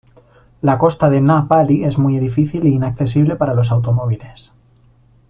La costa de Na Pali es muy difícil y es inaccesible para los automóviles.